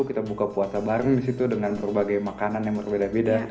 kita buka puasa bareng di situ dengan berbagai makanan yang berbeda beda